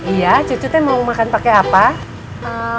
iya cucu teh mau makan pakai apa